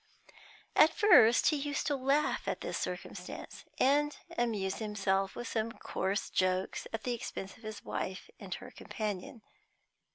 At first he used to laugh at this circumstance, and to amuse himself with some coarse jokes at the expense of his wife and her companion.